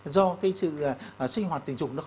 do cái sự sinh hoạt tình dục